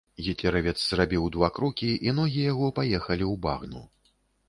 Гітлеравец зрабіў два крокі, і ногі яго паехалі ў багну.